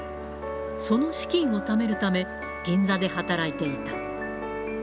その資金をためるため、銀座で働いていた。